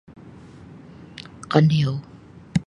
kaniou